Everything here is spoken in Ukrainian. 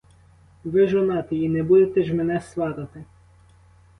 Ви жонатий і не будете ж мене сватати.